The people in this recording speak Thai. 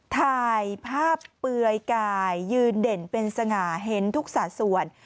ถ่ายภาพเปลือยกายยืนเด่นเป็นสง่าเห็นทุกสัดส่วน